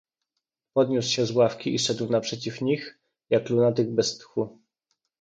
"Podniósł się z ławki i szedł naprzeciw nich, jak lunatyk, bez tchu."